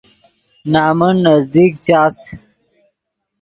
نمن نزدیک چاس